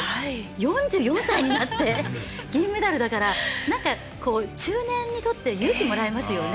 ４４歳になって銀メダルだからなんか中年にとって勇気をもらえますよね。